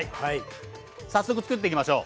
早速つくっていきましょう。